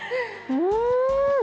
うん。